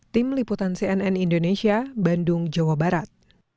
tim liputan cnn indonesia bandung jawa barat